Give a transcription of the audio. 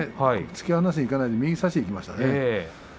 突き放しにいかないで差しにいきましたね。